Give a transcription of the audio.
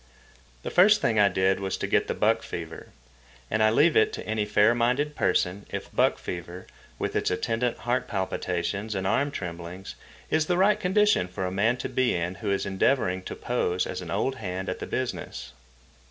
The first thing I did was to got the buck fever, and I leave it to any fair minded person if buck fever, with its attendant heart palpitations and arm tremblings, is the right condition for a man to be in who is endeavouring to pose as an old hand at the business.